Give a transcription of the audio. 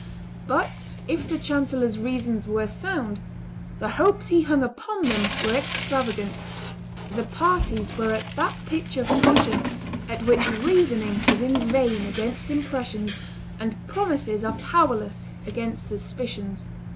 But, if the chancellor's reasons were sound, the hopes he hung upon them were extravagant; the parties were at that pitch of passion at which reasoning is in vain against impressions, and promises are powerless against suspicions.